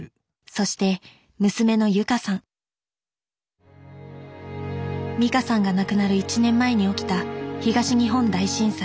そして娘の美香さんが亡くなる１年前に起きた東日本大震災。